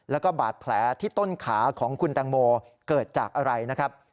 แล้วก็บาดแผลที่ต้นขาของคุณแตงโมเกิดจากอะไรนะครับ